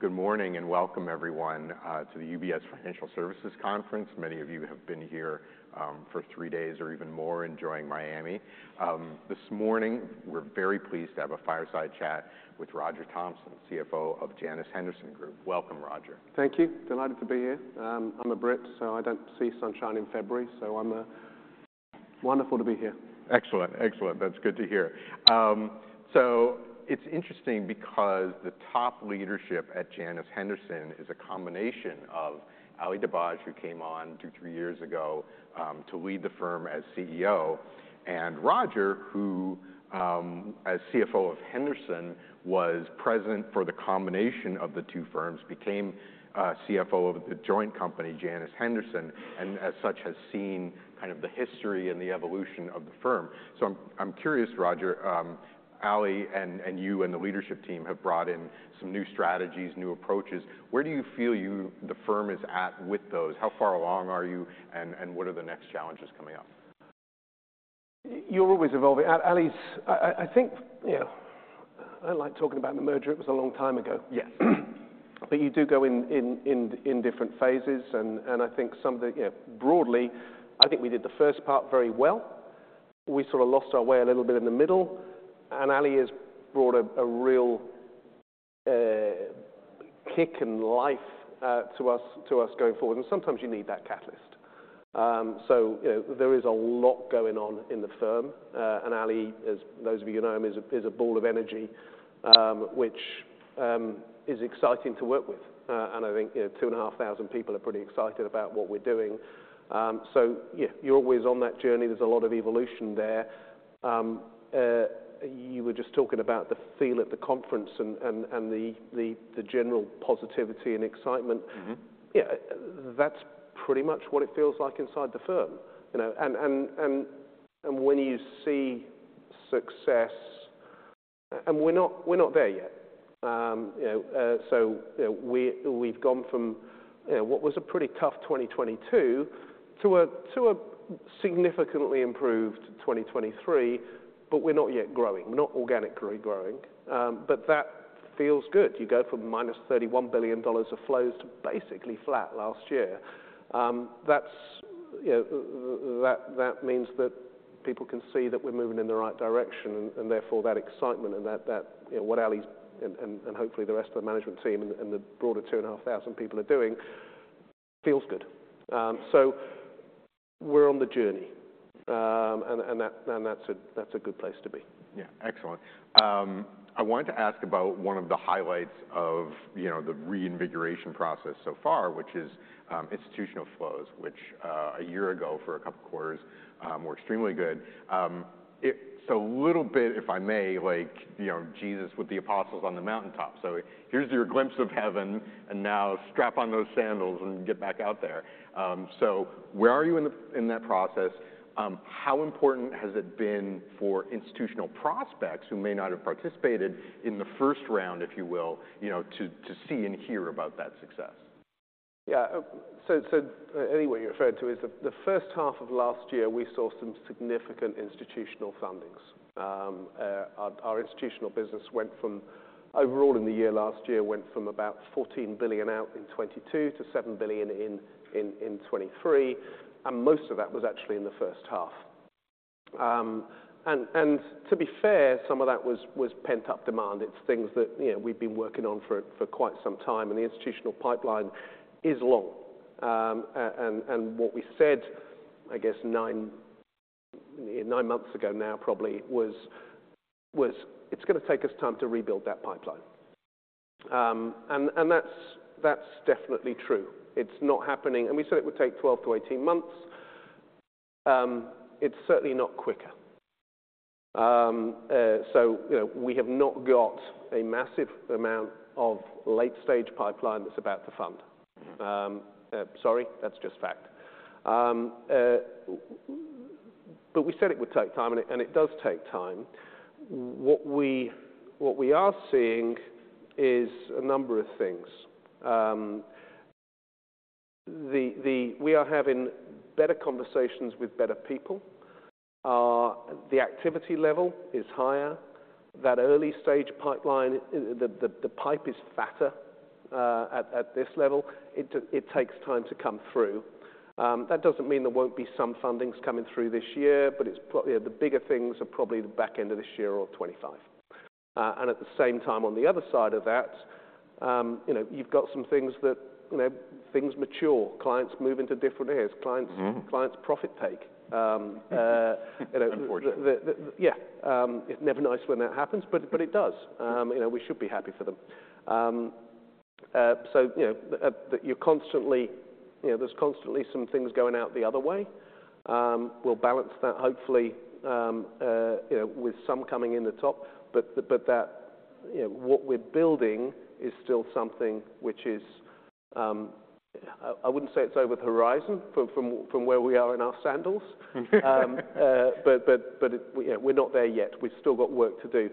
Good morning and welcome, everyone, to the UBS Financial Services Conference. Many of you have been here for three days or even more enjoying Miami. This morning we're very pleased to have a fireside chat with Roger Thompson, CFO of Janus Henderson Group. Welcome, Roger. Thank you. Delighted to be here. I'm a Brit, so I don't see sunshine in February, so, wonderful to be here. Excellent. Excellent. That's good to hear. So it's interesting because the top leadership at Janus Henderson is a combination of Ali Dibadj, who came on two-three years ago, to lead the firm as CEO, and Roger, who, as CFO of Henderson, was present for the combination of the two firms, became, CFO of the joint company, Janus Henderson, and as such has seen kind of the history and the evolution of the firm. So I'm, I'm curious, Roger, Ali and, and you and the leadership team have brought in some new strategies, new approaches. Where do you feel you the firm is at with those? How far along are you, and, and what are the next challenges coming up? You're always evolving. Ali's, I think, you know, I like talking about the merger. It was a long time ago. Yes. But you do go in different phases. And I think some of the, you know, broadly, I think we did the first part very well. We sort of lost our way a little bit in the middle. And Ali has brought a real kick and life to us going forward. And sometimes you need that catalyst. So, you know, there is a lot going on in the firm. And Ali, as those of you know him, is a ball of energy, which is exciting to work with. And I think, you know, 2,500 people are pretty excited about what we're doing. So, yeah, you're always on that journey. There's a lot of evolution there. You were just talking about the feel at the conference and the general positivity and excitement. Mm-hmm. Yeah. That's pretty much what it feels like inside the firm, you know? And when you see success, and we're not there yet, you know. So, you know, we've gone from, you know, what was a pretty tough 2022 to a significantly improved 2023, but we're not yet growing. We're not organically growing. But that feels good. You go from -$31 billion of flows to basically flat last year. That's, you know, that means that people can see that we're moving in the right direction and therefore that excitement and that, you know, what Ali's and hopefully the rest of the management team and the broader 2,500 people are doing feels good. So we're on the journey. And that's a good place to be. Yeah. Excellent. I wanted to ask about one of the highlights of, you know, the reinvigoration process so far, which is institutional flows, which a year ago for a couple quarters were extremely good. So a little bit, if I may, like, you know, Jesus with the apostles on the mountaintop. So here's your glimpse of heaven, and now strap on those sandals and get back out there. So where are you in that process? How important has it been for institutional prospects who may not have participated in the first round, if you will, you know, to see and hear about that success? Yeah. So anyway, you referred to is the first half of last year; we saw some significant institutional fundings. Our institutional business went from overall in the year last year went from about $14 billion out in 2022 to $7 billion in 2023. And most of that was actually in the first half. And to be fair, some of that was pent-up demand. It's things that, you know, we've been working on for quite some time. And the institutional pipeline is long. And what we said, I guess, nine months ago now probably was, It's gonna take us time to rebuild that pipeline. And that's definitely true. It's not happening and we said it would take 12-18 months. It's certainly not quicker. You know, we have not got a massive amount of late-stage pipeline that's about to fund. Mm-hmm. Sorry. That's just fact. But we said it would take time, and it does take time. What we are seeing is a number of things. We are having better conversations with better people. The activity level is higher. That early-stage pipeline, the pipe is fatter at this level. It takes time to come through. That doesn't mean there won't be some fundings coming through this year, but it's, you know, the bigger things are probably the back end of this year or 2025. And at the same time, on the other side of that, you know, you've got some things that, you know, things mature. Clients move into different areas. Clients. Mm-hmm. Clients profit-take. You know. Unfortunately. Yeah. It's never nice when that happens, but it does. You know, we should be happy for them. So, you know, that you're constantly, you know, there's constantly some things going out the other way. We'll balance that hopefully, you know, with some coming in the top. But that, you know, what we're building is still something which is, I wouldn't say it's over the horizon from where we are in our sandals. But it, you know, we're not there yet. We've still got work to do.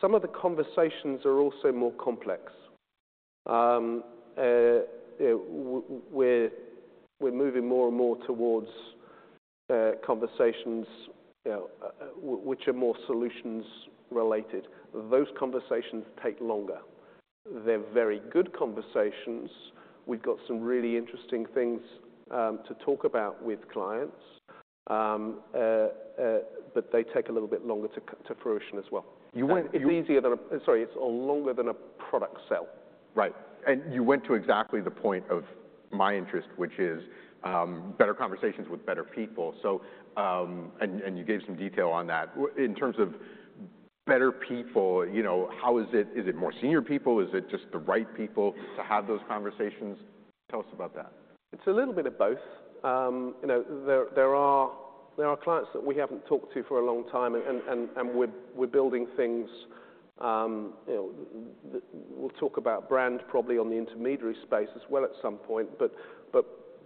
Some of the conversations are also more complex. You know, we're moving more and more towards conversations, you know, which are more solutions-related. Those conversations take longer. They're very good conversations. We've got some really interesting things to talk about with clients. but they take a little bit longer to come to fruition as well. You went. It's easier than a sorry. It's a longer than a product sell. Right. And you went to exactly the point of my interest, which is better conversations with better people. So, and you gave some detail on that. In terms of better people, you know, how is it? Is it more senior people? Is it just the right people to have those conversations? Tell us about that. It's a little bit of both. You know, there are clients that we haven't talked to for a long time, and we're building things. You know, we'll talk about brand probably on the intermediary space as well at some point, but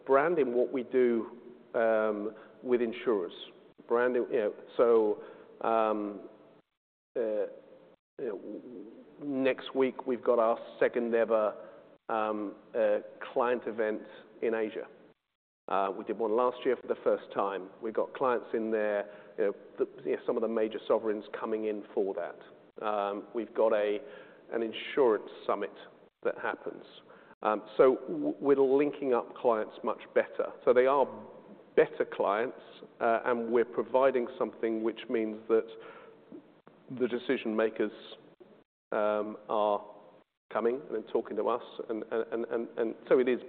branding what we do with insurers. Branding, you know, so, you know, next week, we've got our second-ever client event in Asia. We did one last year for the first time. We've got clients in there, you know, you know, some of the major sovereigns coming in for that. We've got an insurance summit that happens. So we're linking up clients much better. So they are better clients, and we're providing something which means that the decision-makers are coming and talking to us. And so it is,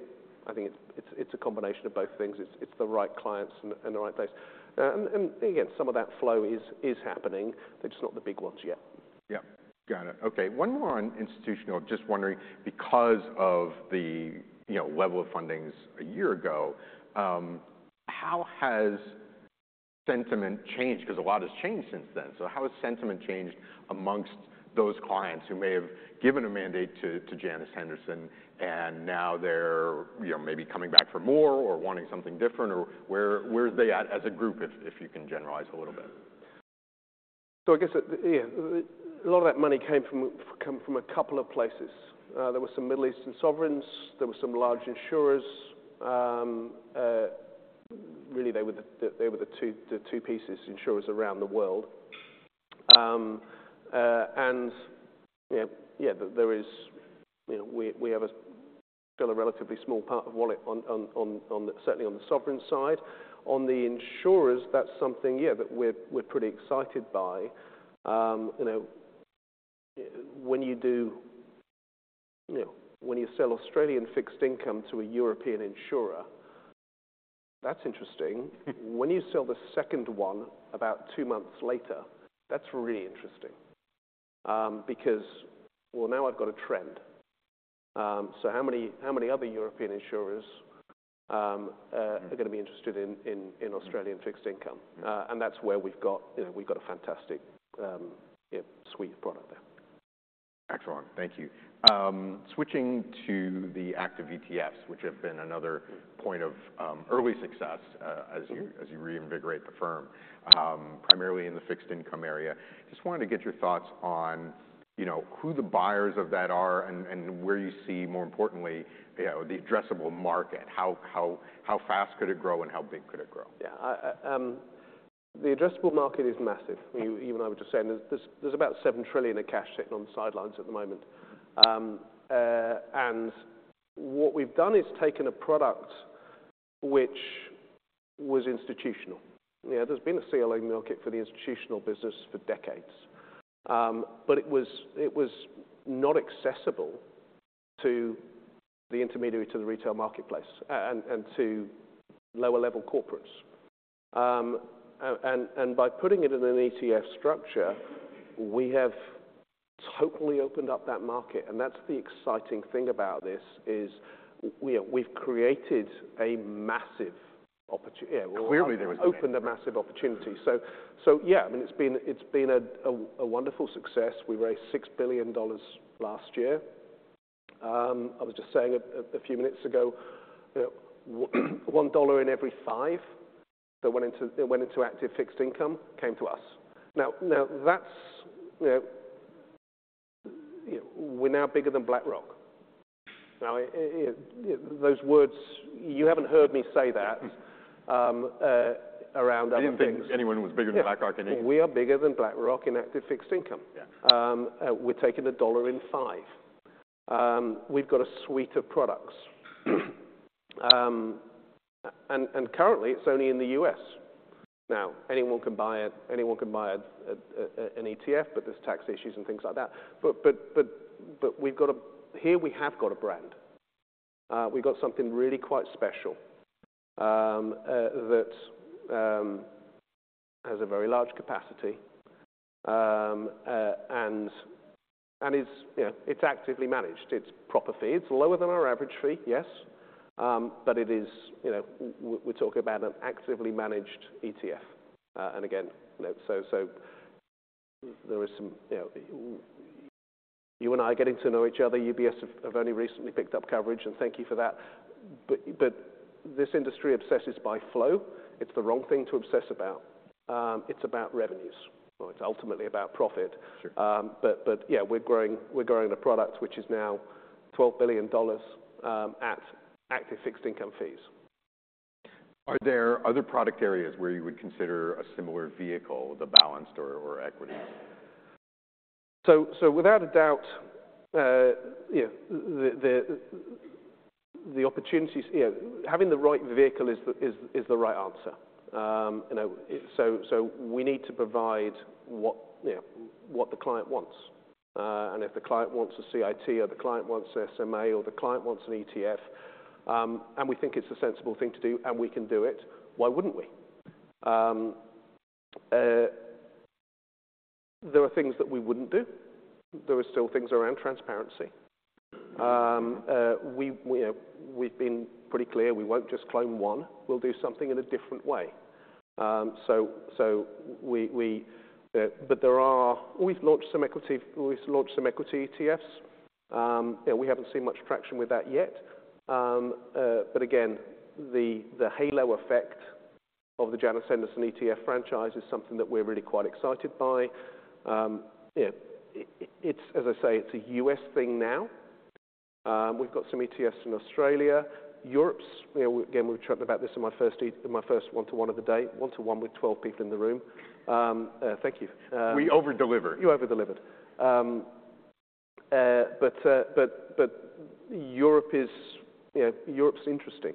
I think it's a combination of both things. It's the right clients and the right place. And again, some of that flow is happening. They're just not the big ones yet. Yep. Got it. Okay. One more on institutional. Just wondering, because of the, you know, level of fundings a year ago, how has sentiment changed? 'Cause a lot has changed since then. So how has sentiment changed amongst those clients who may have given a mandate to Janus Henderson and now they're, you know, maybe coming back for more or wanting something different? Or where's they at as a group, if you can generalize a little bit? So I guess, yeah, a lot of that money came from a couple of places. There were some Middle Eastern sovereigns. There were some large insurers. Really, they were the two pieces, insurers around the world. And, you know, yeah, there is, you know, we have still a relatively small part of wallet on the, certainly on the sovereign side. On the insurers, that's something, yeah, that we're pretty excited by. You know, when you do, you know, when you sell Australian fixed income to a European insurer, that's interesting. When you sell the second one about two months later, that's really interesting. Because, well, now I've got a trend. So how many other European insurers are gonna be interested in Australian fixed income? And that's where we've got, you know, we've got a fantastic, you know, suite of product there. Excellent. Thank you. Switching to the active ETFs, which have been another point of early success, as you reinvigorate the firm, primarily in the fixed income area, just wanted to get your thoughts on, you know, who the buyers of that are and where you see, more importantly, you know, the addressable market. How fast could it grow, and how big could it grow? Yeah. I, the addressable market is massive. I mean, even I was just saying, there's about $7 trillion of cash sitting on the sidelines at the moment. And what we've done is taken a product which was institutional. You know, there's been a CLO market for the institutional business for decades. But it was not accessible to the intermediary, to the retail marketplace, and by putting it in an ETF structure, we have totally opened up that market. And that's the exciting thing about this is, you know, we've created a massive opportunity yeah. Clearly, there was. We've opened a massive opportunity. So, yeah. I mean, it's been a wonderful success. We raised $6 billion last year. I was just saying a few minutes ago, you know, with $1 in every five that went into that went into active fixed income came to us. Now, that's, you know, we're now bigger than BlackRock. Now, it you know, those words you haven't heard me say that around other things. Do you think anyone was bigger than BlackRock in anything? We are bigger than BlackRock in Active Fixed Income. Yeah. We're taking the dollar in five. We've got a suite of products. And currently, it's only in the U.S. Now, anyone can buy it. Anyone can buy it, an ETF, but there's tax issues and things like that. But we've got a brand here. We've got something really quite special that has a very large capacity, and is, you know, it's actively managed. It's proper fee. It's lower than our average fee, yes. But it is, you know, we're talking about an actively managed ETF. And again, you know, so there is some, you know, you and I are getting to know each other. UBS has only recently picked up coverage, and thank you for that. But this industry obsesses by flow. It's the wrong thing to obsess about. It's about revenues. Well, it's ultimately about profit. Sure. but yeah, we're growing a product which is now $12 billion at Active Fixed Income fees. Are there other product areas where you would consider a similar vehicle, the balanced or equities? So without a doubt, you know, the opportunities you know, having the right vehicle is the right answer. You know, so we need to provide what, you know, what the client wants. And if the client wants a CIT, or the client wants an SMA, or the client wants an ETF, and we think it's a sensible thing to do, and we can do it, why wouldn't we? There are things that we wouldn't do. There are still things around transparency. We, you know, we've been pretty clear. We won't just clone one. We'll do something in a different way. So, but there are. We've launched some equity ETFs. You know, we haven't seen much traction with that yet. But again, the halo effect of the Janus Henderson ETF franchise is something that we're really quite excited by. You know, it's as I say, it's a US thing now. We've got some ETFs in Australia. Europe is, you know, again, we were chatting about this in my first one-to-one of the day. One-to-one with 12 people in the room. Thank you. We overdelivered. You overdelivered. But Europe is, you know, Europe's interesting.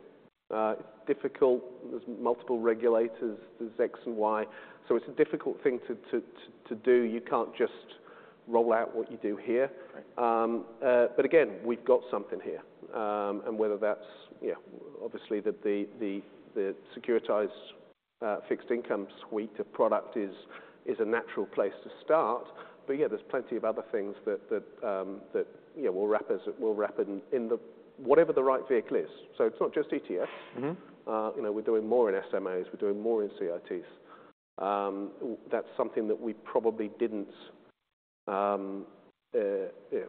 It's difficult. There's multiple regulators. There's X and Y. So it's a difficult thing to do. You can't just roll out what you do here. Right. But again, we've got something here. And whether that's, you know, obviously, the securitized fixed income suite of products is a natural place to start. But yeah, there's plenty of other things that, you know, will wrap as it will wrap in whatever the right vehicle is. So it's not just ETFs. Mm-hmm. You know, we're doing more in SMAs. We're doing more in CITs. That's something that we probably didn't, you know,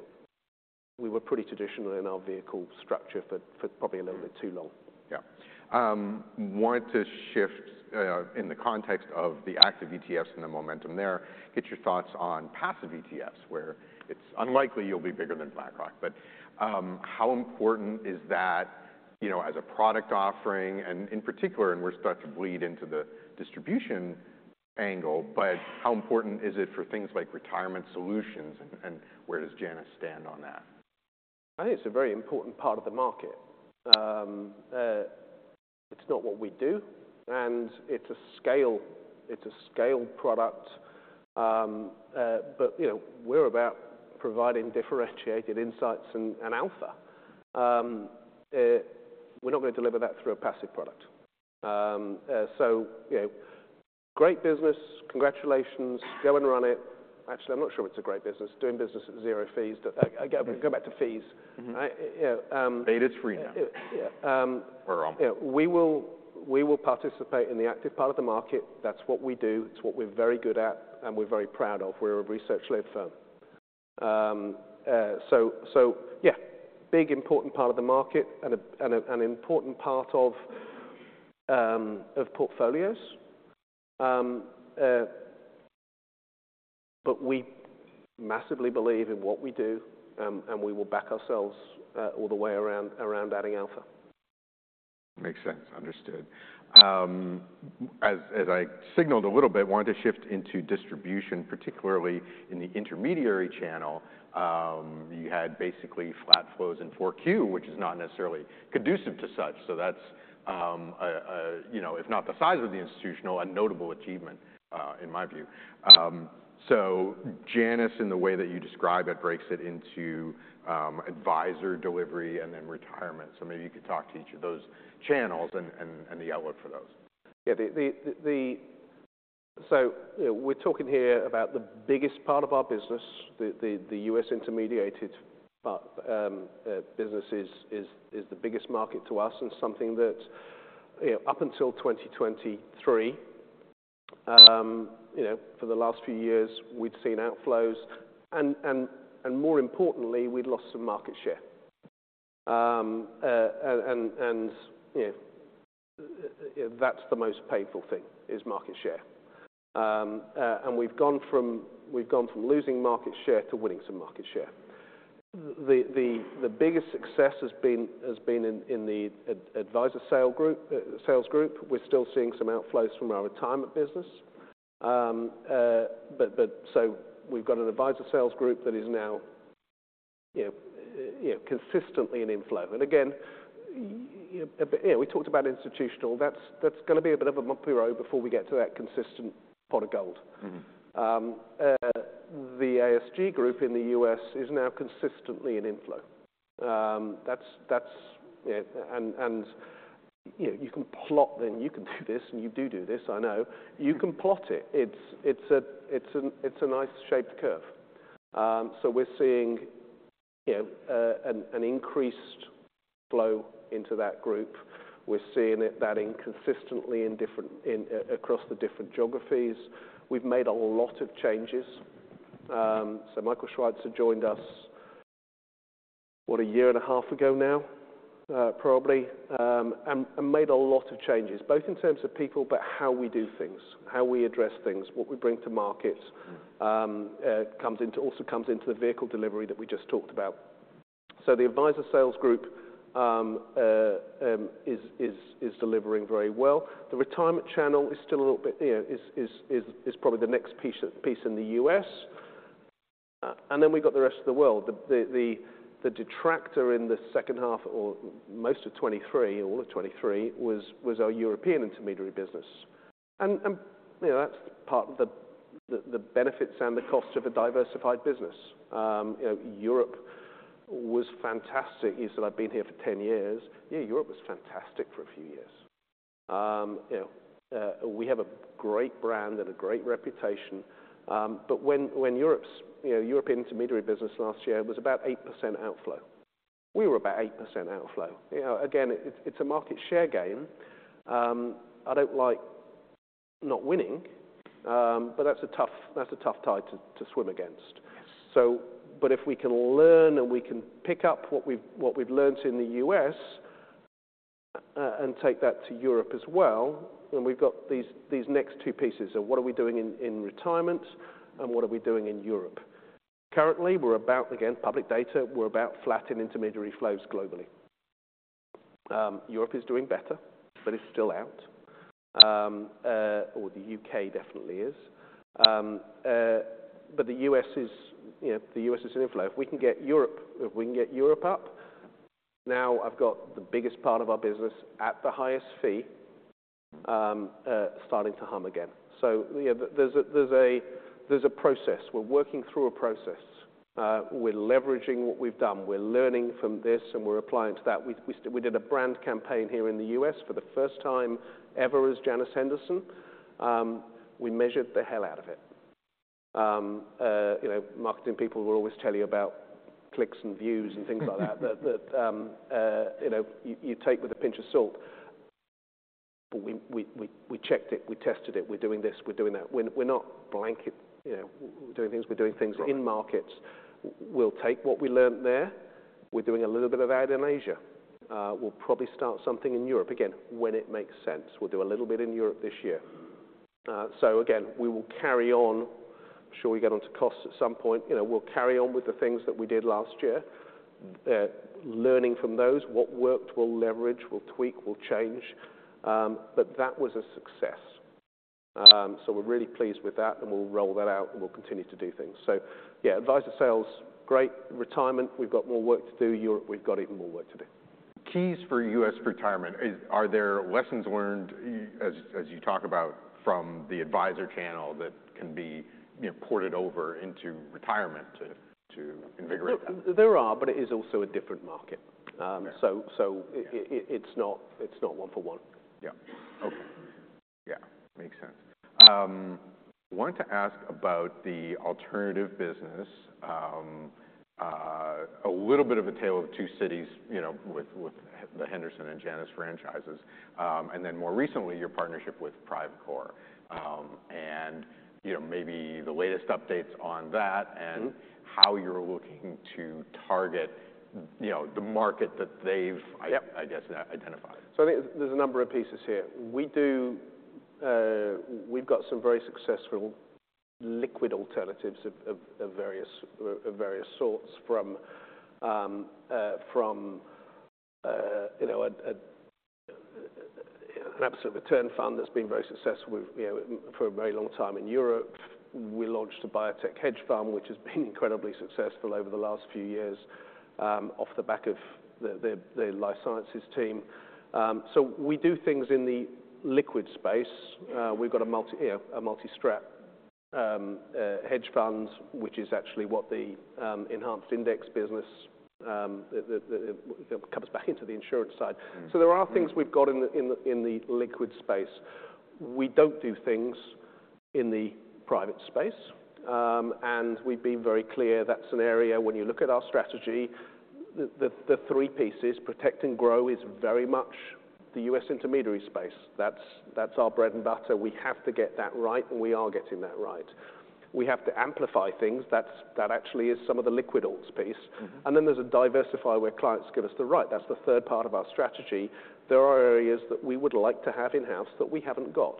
we were pretty traditional in our vehicle structure for, for probably a little bit too long. Yep, wanted to shift, in the context of the active ETFs and the momentum there, get your thoughts on passive ETFs where it's unlikely you'll be bigger than BlackRock. But how important is that, you know, as a product offering and in particular, and we're starting to bleed into the distribution angle, but how important is it for things like retirement solutions, and where does Janus stand on that? I think it's a very important part of the market. It's not what we do. And it's a scale, it's a scale product. But, you know, we're about providing differentiated insights and, and alpha. We're not gonna deliver that through a passive product. So, you know, great business. Congratulations. Go and run it. Actually, I'm not sure it's a great business. Doing business at zero fees. And again, we're gonna go back to fees. Mm-hmm. Right? I, you know, Aid is free now. I-i-it yeah. We're on. Yeah. We will participate in the active part of the market. That's what we do. It's what we're very good at, and we're very proud of. We're a research-led firm. So yeah, big important part of the market and an important part of portfolios. But we massively believe in what we do, and we will back ourselves all the way around adding alpha. Makes sense. Understood. Was, as I signaled a little bit, wanted to shift into distribution, particularly in the intermediary channel. You had basically flat flows in 4Q, which is not necessarily conducive to such. So that's, a you know, if not the size of the institutional, a notable achievement, in my view. So Janus, in the way that you describe it, breaks it into advisor delivery and then retirement. So maybe you could talk to each of those channels and the outlook for those. Yeah. So, you know, we're talking here about the biggest part of our business, the US intermediary business is the biggest market to us and something that, you know, up until 2023, you know, for the last few years, we'd seen outflows. And more importantly, we'd lost some market share. And, you know, that's the most painful thing, is market share. And we've gone from losing market share to winning some market share. The biggest success has been in the Advisor Sales Group. We're still seeing some outflows from our retirement business. But so we've got an Advisor Sales Group that is now, you know, consistently in inflow. And again, you know, we talked about institutional. That's gonna be a bit of a mopey road before we get to that consistent pot of gold. Mm-hmm. The ASG group in the U.S. is now consistently in inflow. That's, you know, and, you know, you can plot then. You can do this, and you do do this, I know. You can plot it. It's a nice-shaped curve. So we're seeing, you know, an increased flow into that group. We're seeing it inconsistently across the different geographies. We've made a lot of changes. So Michael Schweitzer joined us, what, a year and a half ago now, probably, and made a lot of changes, both in terms of people, but how we do things, how we address things, what we bring to markets. Mm-hmm. Also comes into the vehicle delivery that we just talked about. So the Advisor Sales Group is delivering very well. The retirement channel is still a little bit, you know, probably the next piece in the US. And then we've got the rest of the world. The detractor in the second half or most of 2023, all of 2023, was our European intermediary business. And, you know, that's part of the benefits and the costs of a diversified business. You know, Europe was fantastic. You said, I've been here for 10 years. Yeah, Europe was fantastic for a few years. You know, we have a great brand and a great reputation. But when Europe's, you know, European intermediary business last year was about 8% outflow. We were about 8% outflow. You know, again, it's a market share game. I don't like not winning. But that's a tough tide to swim against. Yes. But if we can learn, and we can pick up what we've learned in the U.S., and take that to Europe as well, then we've got these next two pieces. So what are we doing in retirement, and what are we doing in Europe? Currently, we're about—again, public data—we're about flattening intermediary flows globally. Europe is doing better, but it's still outflows, or the U.K. definitely is. But the U.S. is, you know, the U.S. is in inflows. If we can get Europe up, now I've got the biggest part of our business at the highest fee, starting to hum again. So, you know, there's a process. We're working through a process. We're leveraging what we've done. We're learning from this, and we're applying to that. We did a brand campaign here in the U.S. for the first time ever as Janus Henderson. We measured the hell out of it. You know, marketing people will always tell you about clicks and views and things like that. That, you know, you take with a pinch of salt. But we checked it. We tested it. We're doing this. We're doing that. We're not blanket, you know, we're doing things. We're doing things in markets. We'll take what we learned there. We're doing a little bit of that in Asia. We'll probably start something in Europe. Again, when it makes sense. We'll do a little bit in Europe this year. So again, we will carry on. I'm sure we get onto costs at some point. You know, we'll carry on with the things that we did last year, learning from those. What worked, we'll leverage. We'll tweak. We'll change. But that was a success. So we're really pleased with that, and we'll roll that out, and we'll continue to do things. So yeah, advisor sales, great. Retirement, we've got more work to do. Europe, we've got even more work to do. Keys for U.S. retirement, are there lessons learned, yes, as you talk about, from the advisor channel that can be, you know, ported over into retirement to invigorate that? There are, but it is also a different market. So it's not one-for-one. Yep. Okay. Yeah. Makes sense. Wanted to ask about the alternative business, a little bit of a tale of two cities, you know, with the Henderson and Janus franchises, and then more recently, your partnership with Privacore. You know, maybe the latest updates on that and how you're looking to target, you know, the market that they've, I guess, identified. Yep. So I think there's a number of pieces here. We do we've got some very successful liquid alternatives of various sorts from, you know, an absolute return fund that's been very successful with, you know, for a very long time in Europe. We launched a biotech hedge fund, which has been incredibly successful over the last few years, off the back of the life sciences team. So we do things in the liquid space. We've got a multi, you know, a multi-strat hedge fund, which is actually what the Enhanced Index business that covers back into the insurance side. Mm-hmm. There are things we've got in the liquid space. We don't do things in the private space, and we've been very clear. That's an area when you look at our strategy, the three pieces, protect and grow, is very much the U.S. intermediary space. That's, that's our bread and butter. We have to get that right, and we are getting that right. We have to amplify things. That's that actually is some of the liquid alts pieces And then there's a diversify where clients give us the right. That's the third part of our strategy. There are areas that we would like to have in-house that we haven't got.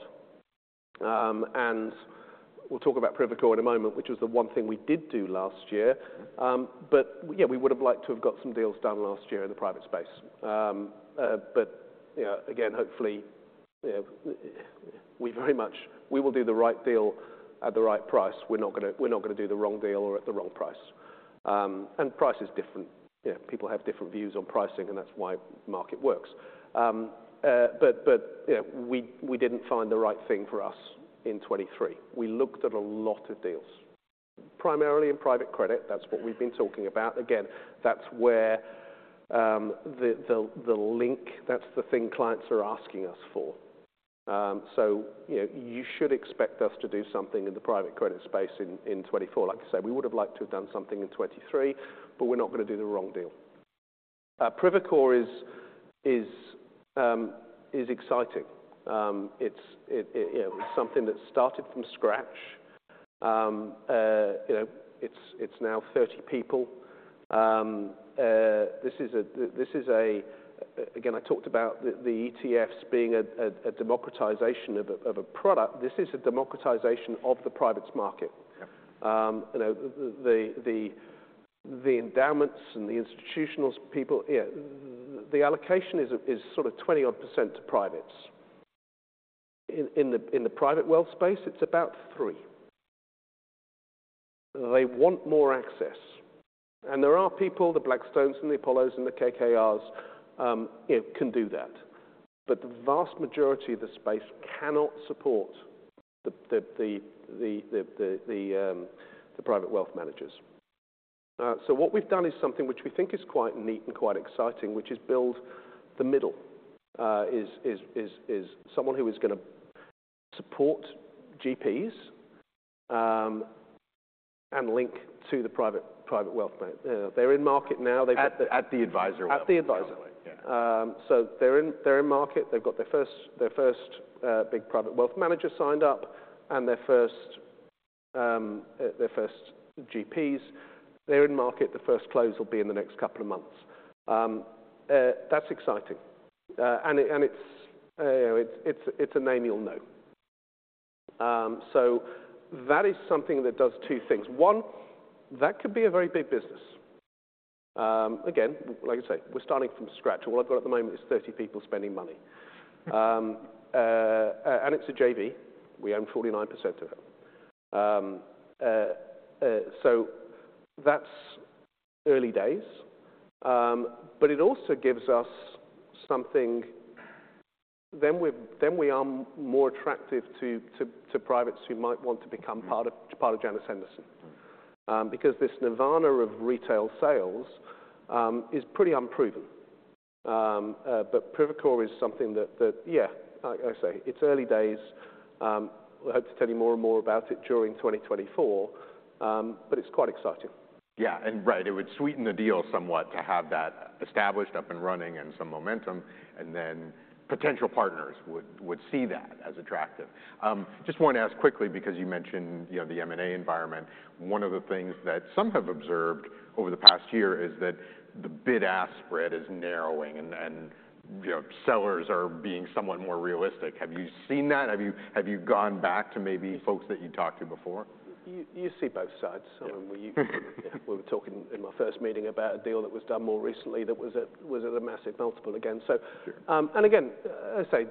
And we'll talk about Privacore in a moment, which was the one thing we did do last year. Mm-hmm. But, yeah, we would have liked to have got some deals done last year in the private space. But, you know, again, hopefully, you know, we very much will do the right deal at the right price. We're not gonna, we're not gonna do the wrong deal or at the wrong price. And price is different. You know, people have different views on pricing, and that's why market works. But, you know, we, we didn't find the right thing for us in 2023. We looked at a lot of deals, primarily in private credit. That's what we've been talking about. Again, that's where, the, the, the link that's the thing clients are asking us for. So, you know, you should expect us to do something in the private credit space in 2024. Like I say, we would have liked to have done something in 2023, but we're not gonna do the wrong deal. Privacore is exciting. It's, you know, something that started from scratch. You know, it's now 30 people. This is, again, I talked about the ETFs being a democratization of a product. This is a democratization of the privates market. Yep. You know, the endowments and the institutionals people you know, the allocation is sort of 20-odd% to privates. In the private wealth space, it's about 3%. They want more access. And there are people, the Blackstones and the Apollos and the KKRs, you know, can do that. But the vast majority of the space cannot support the private wealth managers. So what we've done is something which we think is quite neat and quite exciting, which is build the middle, someone who is gonna support GPs, and link to the private wealth manager. You know, they're in market now. They've had the. At the advisor wealth, by the way. At the advisor. Yeah. So they're in market. They've got their first big private wealth manager signed up and their first GPs. They're in market. The first close will be in the next couple of months. That's exciting. And it, it's, you know, it's a name you'll know. So that is something that does two things. One, that could be a very big business. Again, well, like I say, we're starting from scratch. All I've got at the moment is 30 people spending money. And it's a JV. We own 49% of it. So that's early days. But it also gives us something. Then we are more attractive to privates who might want to become part of Janus Henderson. Mm-hmm. because this nirvana of retail sales is pretty unproven. But Privacore is something that yeah, like I say, it's early days. We'll hope to tell you more and more about it during 2024. But it's quite exciting. Yeah. And right. It would sweeten the deal somewhat to have that established, up and running, and some momentum, and then potential partners would, would see that as attractive. Just wanna ask quickly because you mentioned, you know, the M&A environment. One of the things that some have observed over the past year is that the bid-ask spread is narrowing, and, and, you know, sellers are being somewhat more realistic. Have you seen that? Have you have you gone back to maybe folks that you talked to before? You see both sides. Mm-hmm. So when we, you know, were talking in my first meeting about a deal that was done more recently that was, was it a massive multiple again. So, and again, I say,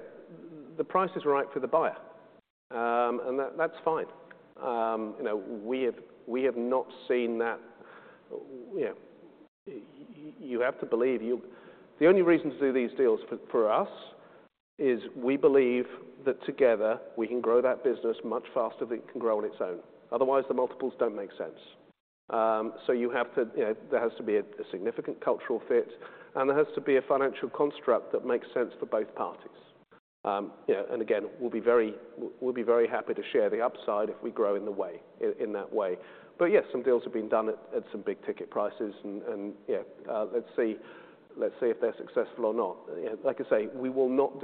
the price is right for the buyer. And that's fine. You know, we have, we have not seen that. You know, you have to believe you'll the only reason to do these deals for, for us is we believe that together, we can grow that business much faster than it can grow on its own. Otherwise, the multiples don't make sense. So you have to, you know, there has to be a significant cultural fit, and there has to be a financial construct that makes sense for both parties. You know, and again, we'll be very happy to share the upside if we grow in the way in that way. But yes, some deals have been done at some big-ticket prices, and yeah, let's see if they're successful or not. You know, like I say, we're not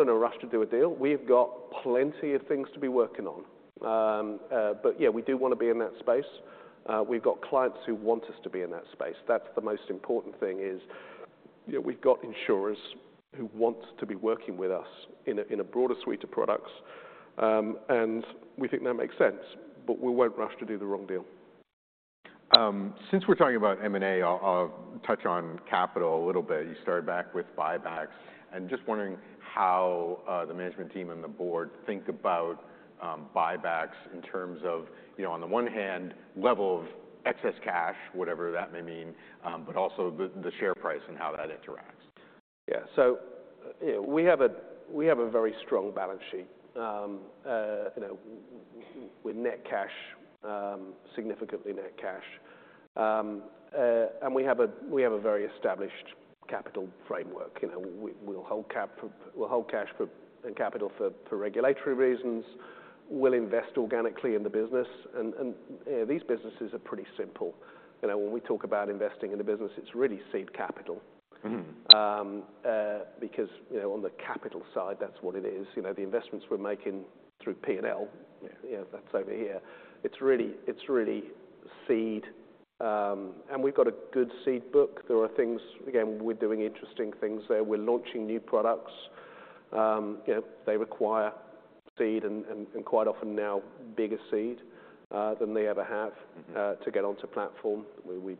in a rush to do a deal. We have got plenty of things to be working on. But yeah, we do wanna be in that space. We've got clients who want us to be in that space. That's the most important thing is, you know, we've got insurers who want to be working with us in a broader suite of products. And we think that makes sense, but we won't rush to do the wrong deal. Since we're talking about M&A, I'll, I'll touch on capital a little bit. You started back with buybacks. And just wondering how, the management team and the board think about, buybacks in terms of, you know, on the one hand, level of excess cash, whatever that may mean, but also the, the share price and how that interacts. Yeah. So, you know, we have a very strong balance sheet. You know, we're net cash, significantly net cash. And we have a very established capital framework. You know, we'll hold cash for and capital for, for regulatory reasons. We'll invest organically in the business. And, you know, these businesses are pretty simple. You know, when we talk about investing in a business, it's really seed capital. Mm-hmm. Because, you know, on the capital side, that's what it is. You know, the investments we're making through P&L, you know, that's over here, it's really it's really seed. And we've got a good seed book. There are things again, we're doing interesting things there. We're launching new products. You know, they require seed and, and, and quite often now, bigger seed than they ever have. Mm-hmm. to get onto platform. We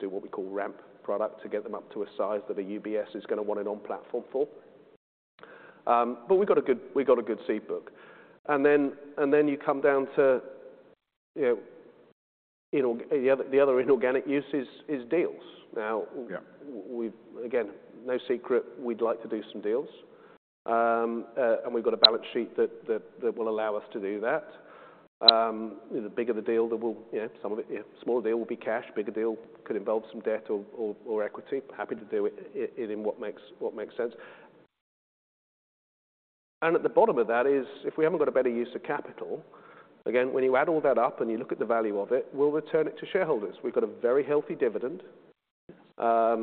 do what we call ramp product to get them up to a size that a UBS is gonna want it on platform for. But we've got a good seed book. And then you come down to, you know, the other inorganic use is deals. Now, we've again, no secret, we'd like to do some deals. And we've got a balance sheet that will allow us to do that. You know, the bigger the deal, there will you know, some of it you know, smaller deal will be cash. Bigger deal could involve some debt or equity. Happy to do it in what makes sense. At the bottom of that is if we haven't got a better use of capital, again, when you add all that up and you look at the value of it, we'll return it to shareholders. We've got a very healthy dividend. Yes.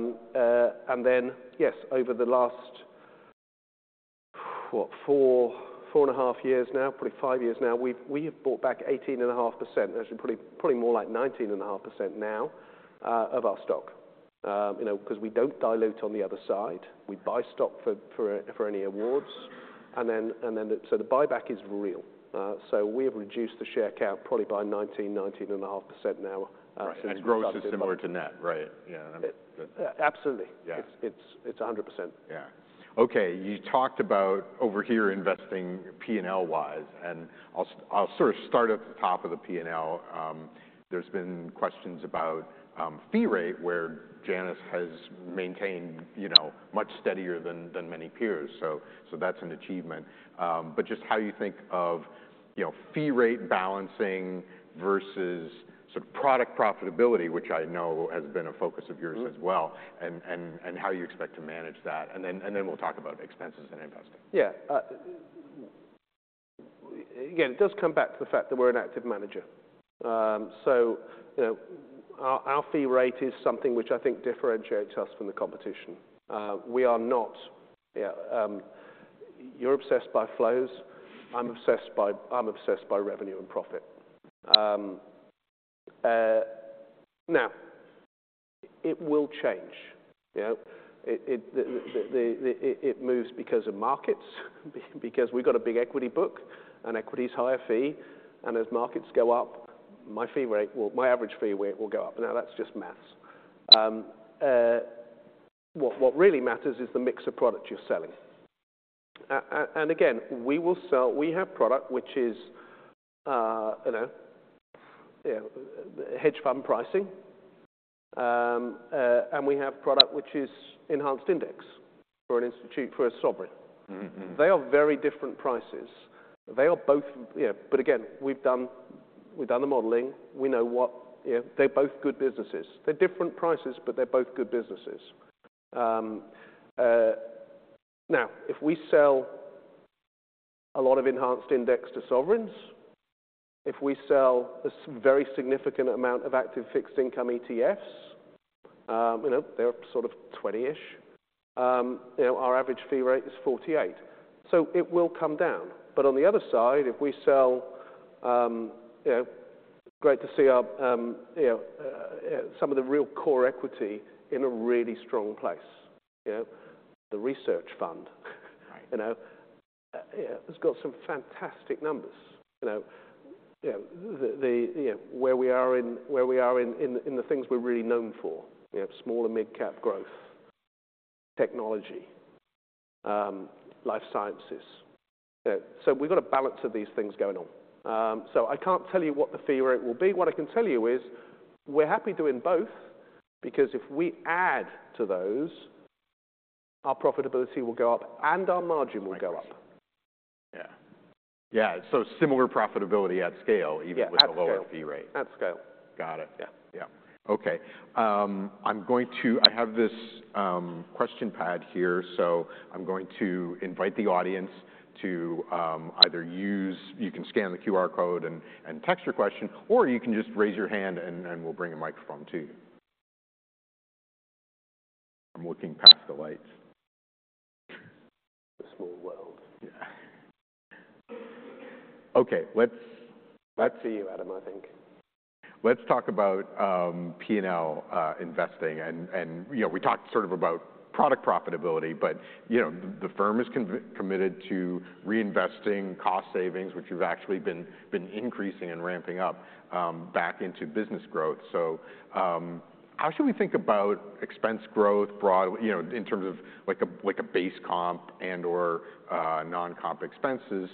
Yes, over the last what, 4, 4.5 years now, probably 5 years now, we have bought back 18.5%. Actually, probably more like 19.5% now, of our stock. You know, 'cause we don't dilute on the other side. We buy stock for any awards. And then the so the buyback is real. So we have reduced the share count probably by 19, 19.5% now. Since. Right. And growth is similar to net. Right. Yeah. I'm. That's absolutely. Yeah. It's 100%. Yeah. Okay. You talked about over here investing P&L-wise. And I'll sort of start at the top of the P&L. There's been questions about fee rate where Janus has maintained, you know, much steadier than many peers. So that's an achievement. But just how you think of, you know, fee rate balancing versus sort of product profitability, which I know has been a focus of yours as well, and how you expect to manage that. And then we'll talk about expenses and investing. Yeah. Again, it does come back to the fact that we're an active manager. So, you know, our fee rate is something which I think differentiates us from the competition. We are not, you know, you're obsessed by flows. I'm obsessed by revenue and profit. Now, it will change. You know, it moves because of markets, because we've got a big equity book, and equity's higher fee. And as markets go up, my fee rate will, my average fee, it will go up. Now, that's just math. What really matters is the mix of product you're selling. And again, we will sell; we have product which is, you know, hedge fund pricing. And we have product which is enhanced index for an institute, for a sovereign. Mm-hmm. Mm-hmm. They are very different prices. They are both, you know, but again, we've done the modeling. We know what, you know, they're both good businesses. They're different prices, but they're both good businesses. Now, if we sell a lot of Enhanced Index to sovereigns, if we sell a very significant amount of Active Fixed Income ETFs, you know, they're sort of 20-ish, you know, our average fee rate is 48. So it will come down. But on the other side, if we sell, you know, great to see our, you know, some of the real core equity in a really strong place, you know, the research fund. Right. You know, you know, it's got some fantastic numbers. You know, you know, the, you know, where we are in the things we're really known for, you know, small and mid-cap growth, technology, life sciences. You know, so we've got a balance of these things going on. So I can't tell you what the fee rate will be. What I can tell you is we're happy doing both because if we add to those, our profitability will go up and our margin will go up. Right. Yeah. Yeah. So similar profitability at scale even with the lower fee rate. Absolutely. At scale. Got it. Yeah. Yeah. Okay. I'm going to—I have this question pad here. So I'm going to invite the audience to either you can scan the QR code and text your question, or you can just raise your hand and we'll bring a microphone to you. I'm looking past the lights. The small world. Yeah. Okay. Let's. Let's see you, Adam, I think. Let's talk about P&L investing. And you know, we talked sort of about product profitability, but you know, the firm is committed to reinvesting cost savings, which you've actually been increasing and ramping up, back into business growth. So, how should we think about expense growth broadly, you know, in terms of like a base comp and/or non-comp expenses,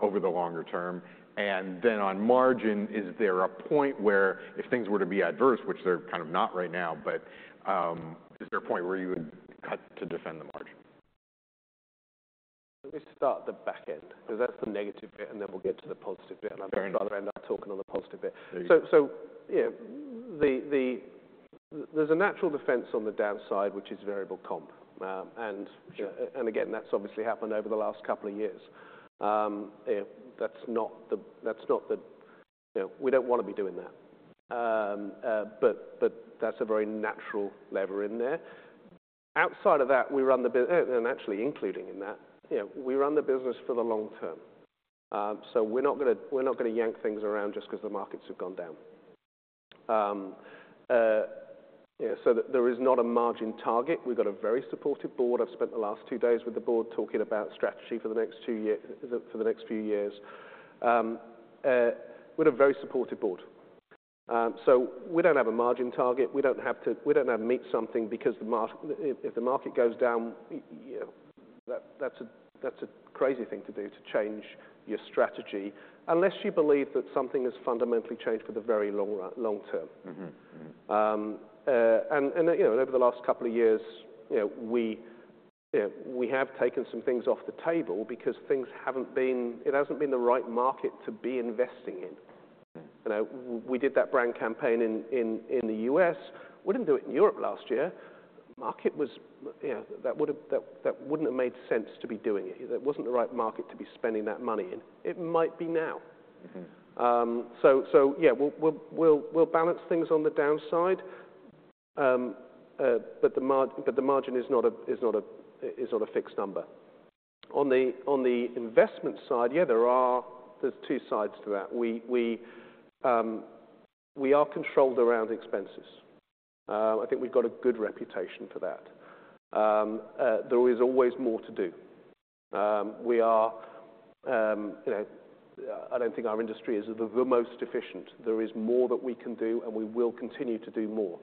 over the longer term? And then on margin, is there a point where if things were to be adverse, which they're kind of not right now, but is there a point where you would cut to defend the margin? Let me start the back end 'cause that's the negative bit, and then we'll get to the positive bit. I'd rather end up talking on the positive bit. There you go. Yeah, there's a natural defense on the downside, which is variable comp. and. Sure. Again, that's obviously happened over the last couple of years. You know, that's not the, that's not the, you know, we don't wanna be doing that. But that's a very natural lever in there. Outside of that, we run the business and actually including in that, you know, we run the business for the long term. So we're not gonna yank things around just 'cause the markets have gone down. You know, so there is not a margin target. We've got a very supportive board. I've spent the last two days with the board talking about strategy for the next two years for the next few years. We're a very supportive board. So we don't have a margin target. We don't have to meet something because the market if the market goes down, you know, that's a crazy thing to do, to change your strategy unless you believe that something has fundamentally changed for the very long term. Mm-hmm. Mm-hmm. you know, over the last couple of years, you know, we, you know, we have taken some things off the table because things haven't been; it hasn't been the right market to be investing in. Mm-hmm. You know, we did that brand campaign in the U.S. We didn't do it in Europe last year. Market was, you know, that would've, that wouldn't have made sense to be doing it. That wasn't the right market to be spending that money in. It might be now. Mm-hmm. Yeah, we'll balance things on the downside. But the margin is not a fixed number. On the investment side, yeah, there are two sides to that. We are controlled around expenses. I think we've got a good reputation for that. There is always more to do. We are, you know, I don't think our industry is the most efficient. There is more that we can do, and we will continue to do more.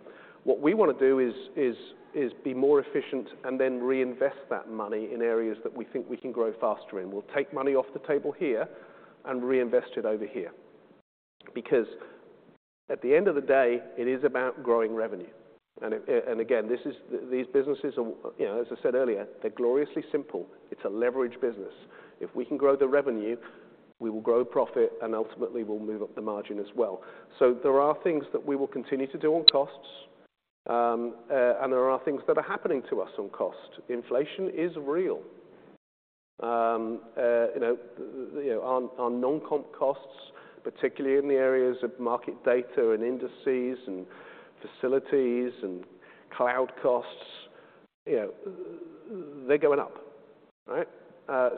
What we wanna do is be more efficient and then reinvest that money in areas that we think we can grow faster in. We'll take money off the table here and reinvest it over here because at the end of the day, it is about growing revenue. And again, these businesses are, you know, as I said earlier, they're gloriously simple. It's a leveraged business. If we can grow the revenue, we will grow profit, and ultimately, we'll move up the margin as well. So there are things that we will continue to do on costs. And there are things that are happening to us on cost. Inflation is real. You know, you know, our non-comp costs, particularly in the areas of market data and indices and facilities and cloud costs, you know, they're going up. Right?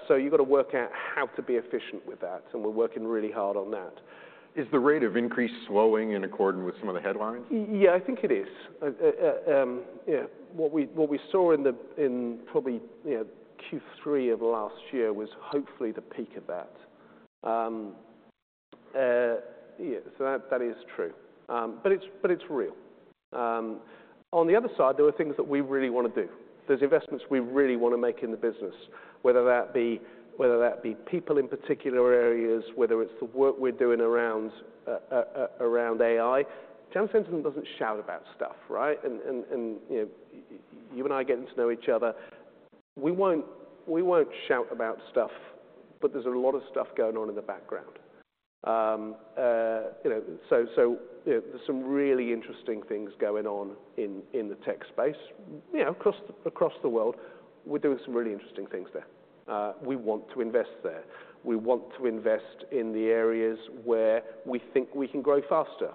So you've gotta work out how to be efficient with that. And we're working really hard on that. Is the rate of increase slowing in accordance with some of the headlines? Yeah, I think it is. You know, what we saw in probably, you know, Q3 of last year was hopefully the peak of that. Yeah, so that is true. But it's real. On the other side, there are things that we really wanna do. There's investments we really wanna make in the business, whether that be people in particular areas, whether it's the work we're doing around AI. Janus Henderson doesn't shout about stuff. Right? And, you know, you and I get to know each other. We won't shout about stuff, but there's a lot of stuff going on in the background. You know, so, you know, there's some really interesting things going on in the tech space, you know, across the world. We're doing some really interesting things there. We want to invest there. We want to invest in the areas where we think we can grow faster.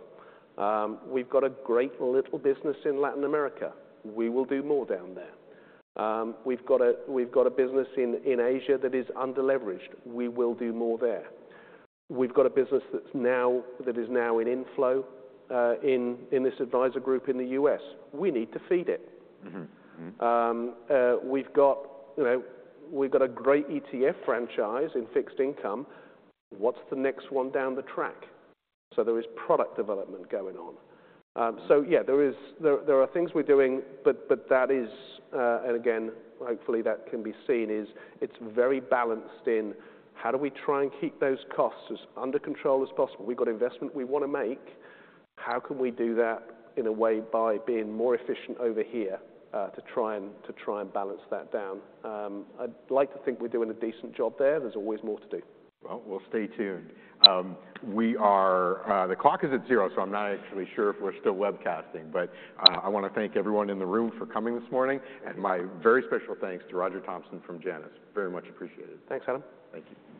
We've got a great little business in Latin America. We will do more down there. We've got a business in Asia that is underleveraged. We will do more there. We've got a business that's now in inflow in this advisor group in the U.S. We need to feed it. Mm-hmm. Mm-hmm. We've got, you know, we've got a great ETF franchise in fixed income. What's the next one down the track? So there is product development going on. So yeah, there is, there are things we're doing, but that is and again, hopefully, that can be seen is it's very balanced in how do we try and keep those costs as under control as possible? We've got investment we wanna make. How can we do that in a way by being more efficient over here, to try and balance that down? I'd like to think we're doing a decent job there. There's always more to do. Well, we'll stay tuned. The clock is at zero, so I'm not actually sure if we're still webcasting. I wanna thank everyone in the room for coming this morning. My very special thanks to Roger Thompson from Janus. Very much appreciated. Thanks, Adam. Thank you.